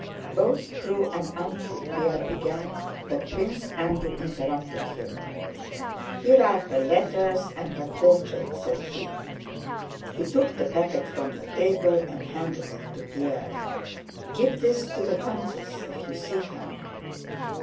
"Both true and untrue," Pierre began; but Prince Andrew interrupted him. "Here are her letters and her portrait," said he. He took the packet from the table and handed it to Pierre. "Give this to the countess... if you see her."